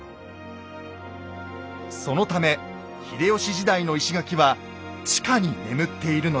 そのため秀吉時代の石垣は地下に眠っているのです。